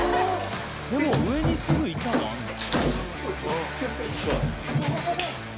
もう上にすぐ板があるんだ。